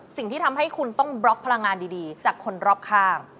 สิ่งที่ทำให้คุณต้องบล็อกพลังงานดีจากคนรอบข้าง